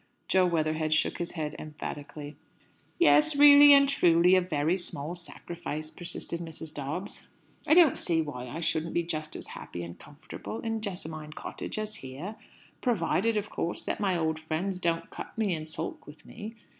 Jo Weatherhead shook his head emphatically. "Yes, really and truly a very small sacrifice," persisted Mrs. Dobbs. "I don't see why I shouldn't be just as happy and comfortable in Jessamine Cottage as here provided, of course, that my old friends don't cut me and sulk with me.